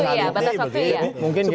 batas waktu ya